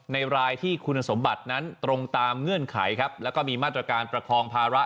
รายที่คุณสมบัตินั้นตรงตามเงื่อนไขครับแล้วก็มีมาตรการประคองภาระ